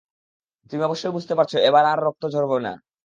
তুমি অবশ্যই বুঝতে পারছো এবার আর আমার রক্ত ঝড়বেনা।